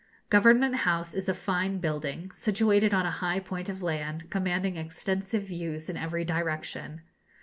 Government House is a fine building, situated on a high point of land, commanding extensive views in every direction.